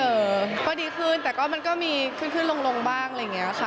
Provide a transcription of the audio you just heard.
เออก็ดีขึ้นแต่ก็มันก็มีขึ้นขึ้นลงบ้างอะไรอย่างนี้ค่ะ